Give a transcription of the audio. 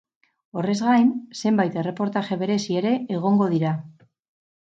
Horrez gain, zenbait erreportaje berezi ere egongo dira.